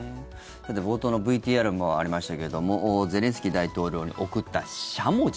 冒頭のＶＴＲもありましたけれどもゼレンスキー大統領に贈ったしゃもじ。